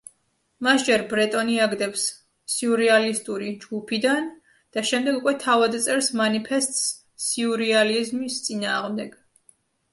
მას ჯერ ბრეტონი აგდებს სიურეალისტური ჯგუფიდან და შემდეგ უკვე თავად წერს მანიფესტს სიურეალიზმის წინააღმდეგ.